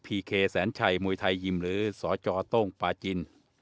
เคแสนชัยมวยไทยยิมหรือสจโต้งปาจิน